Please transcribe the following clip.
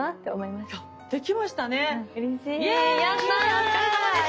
お疲れさまでした。